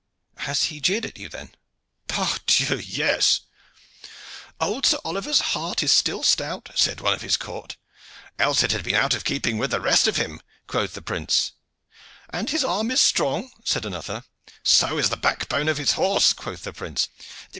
"Has he jeered at you than?" "Pardieu! yes, 'Old Sir Oliver's heart is still stout,' said one of his court. 'Else had it been out of keeping with the rest of him,' quoth the prince. 'And his arm is strong,' said another. 'So is the backbone of his horse,' quoth the prince.